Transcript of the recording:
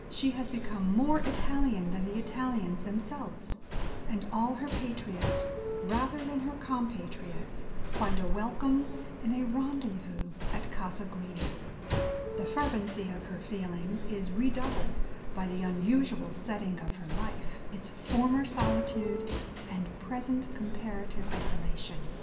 She has become more Italian than the Italians themselves," and all her patriots — rather than her compatriots — find a welcome and a rendezvous at Casa Guidi. The fervency of her feelings is redoubled by the unusual setting of her life — its former solitude, A DAY WITH E. B. BROWNING and present comparative isolation.